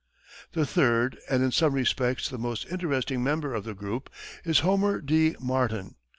The third, and in some respects the most interesting member of the group is Homer D. Martin.